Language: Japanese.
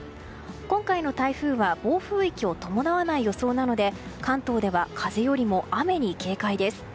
今回の台風は暴風域を伴わない予想なので関東では風よりも雨に警戒です。